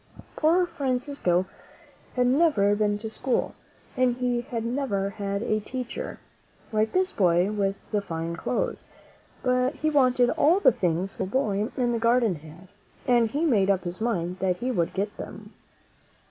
Poor Francisco had never been to school, and he had never had a teacher, like this boy with the fine clothes; but he wanted all the things that the little boy in the garden had, and he made up his mind that he would get them.